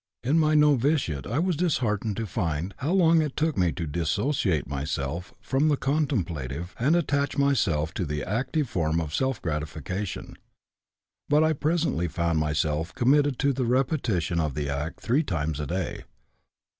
In my novitiate I was disheartened to find how long it took me to dissociate myself from the contemplative and attach myself to the active form of self gratification. But I presently found myself committed to the repetition of the act three times a day.